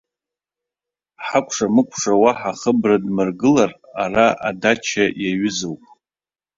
Ҳакәшамыкәша уаҳа хыбра дмыргылар, ара адача иаҩызоуп.